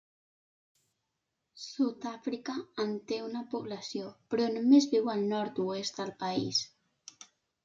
Sud-àfrica en té una població, però només viu al nord-oest del país.